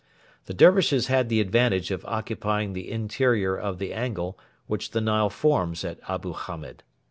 The Dervishes had the advantage of occupying the interior of the angle which the Nile forms at Abu Hamed.